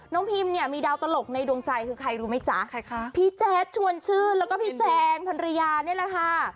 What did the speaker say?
น้องพิมมีดาวตลกในดวงใจคือใครรู้ไหมจ๊ะพี่แจ๊กชวนชื่นแล้วก็พี่แจ๊งพันรยาเนี่ยแหละค่ะ